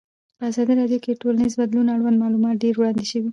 په ازادي راډیو کې د ټولنیز بدلون اړوند معلومات ډېر وړاندې شوي.